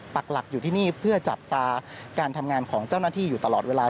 ปักหลักอยู่ที่นี่เพื่อจับตาการทำงานของเจ้าหน้าที่อยู่ตลอดเวลา